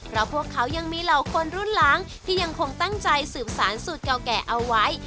เพราะพวกเขายังมีเหล่าคนรุ่นหลังที่ยังคงตั้งใจสืบสารสูตรเก่าแก่เอาไว้